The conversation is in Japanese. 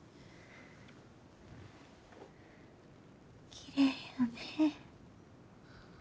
きれいやね。